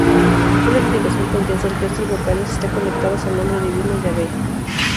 Una explicación podría ser que estas vocales están conectadas al nombre divino Yahveh.